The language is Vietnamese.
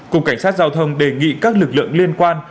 cục cảnh sát giao thông đề nghị các lực lượng liên quan